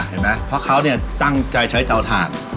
เห็นไหมเพราะเขาเนี่ยตั้งใจใช้เตาถ่าน